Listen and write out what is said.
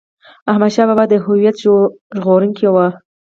احمد شاه بابا د هویت ژغورونکی و.